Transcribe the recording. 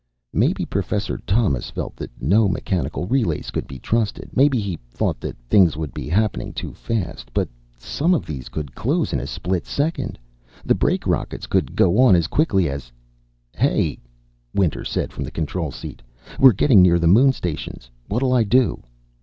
"Maybe Professor Thomas felt that no mechanical relays could be trusted. Maybe he thought that things would be happening too fast. But some of these could close in a split second. The brake rockets could go on as quickly as " "Hey," Winter said from the control seat. "We're getting near the moon stations. What'll I do?"